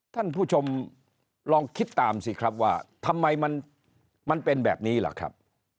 ท่านผู้ชมลองคิดตามสิครับว่าทำไมมันเป็นแบบนี้ล่ะครับ